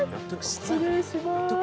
失礼します。